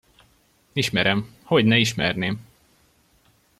Ismerem, hogyne ismerném!